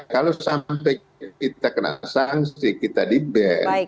kalau sampai kita kena sanksi kita di ban